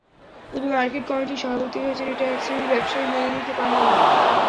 তিনি মার্কেট কমিটির সভাপতি হয়েছেন, এটা একশ্রেণির ব্যবসায়ী মেনে নিতে পারেন না।